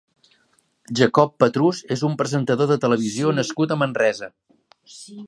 Jacob Petrus és un presentador de televisió nascut a Manresa.